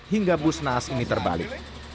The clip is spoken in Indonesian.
hingga bus naas ini terbalik